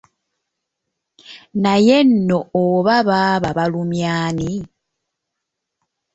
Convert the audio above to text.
Naye nno oba baba balumya ani?